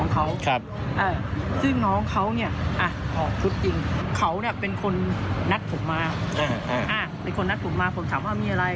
คนนัดผมมาผมถามว่ามีอะไร